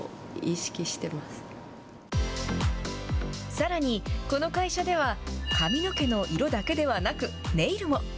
さらに、この会社では髪の毛の色だけではなくネイルも。